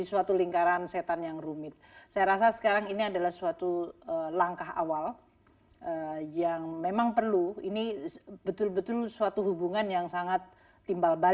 seperti tiket secara kerumit anime arti arti ngez pilihan apa apa yang penting untuk menimbulkan tanggapan saya